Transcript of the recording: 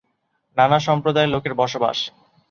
নানা সম্প্রদায়ের লোকের বসবাস।